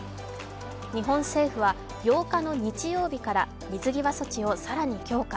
日本政府は８日の日曜日から水際措置を更に強化。